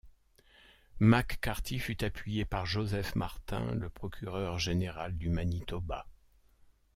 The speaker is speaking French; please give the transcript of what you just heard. McCarthy fut appuyé par Joseph Martin, le procureur général du Manitoba.